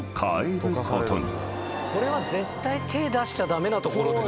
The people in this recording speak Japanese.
これは絶対手出しちゃ駄目なところでしょ。